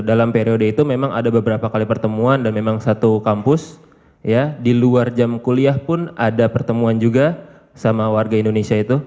dalam periode itu memang ada beberapa kali pertemuan dan memang satu kampus ya di luar jam kuliah pun ada pertemuan juga sama warga indonesia itu